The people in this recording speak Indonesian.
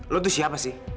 lu tuh siapa sih